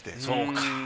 そうか。